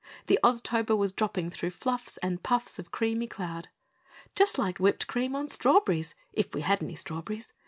The Oztober was dropping through fluffs and puffs of creamy cloud. "Just like whipped cream on strawberries if we had any strawberries!"